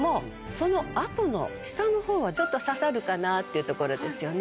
その後の下のほうはちょっと刺さるかなっていうところですよね。